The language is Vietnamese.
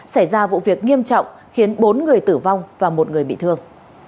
xảy ra vụ việc nghiêm trọng khiến bốn người tử vong và một người bị thương